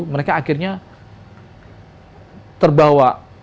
mereka akhirnya terbawa